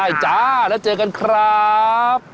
จ้าแล้วเจอกันครับ